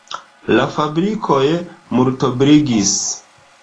La fabrikoj multobliĝis.